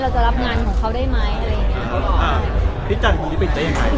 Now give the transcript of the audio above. พี่จันครู้นี่เป็นใจอย่างไร